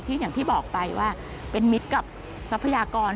อย่างที่บอกไปว่าเป็นมิตรกับทรัพยากร